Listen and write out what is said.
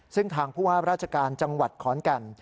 ซึ่งทางผู้ว่าราชการจังหวัดขอนแก่น